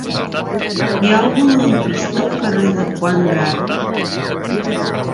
Hi ha algun lampista al carrer de Juan Bravo?